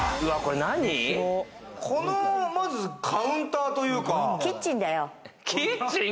この、まずカウンターというキッチンだよ。